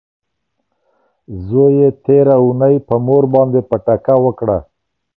زوی یې تیره اونۍ په مور باندې پټکه وکړه.